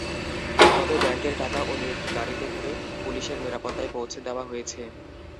তবে ব্যাংকের টাকা অন্য একটি গাড়িতে করে পুলিশের নিরাপত্তায় পৌঁছে দেওয়া হয়েছে।